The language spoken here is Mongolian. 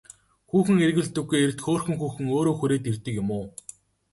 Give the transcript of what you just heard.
Хүүхэн эргүүлдэггүй эрд хөөрхөн хүүхэн өөрөө хүрээд ирдэг юм уу?